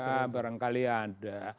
ya barangkali ada